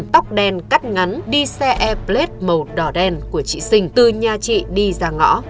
tóc đen cắt ngắn đi xe airblade màu đỏ đen của chị sình từ nhà chị đi ra ngõ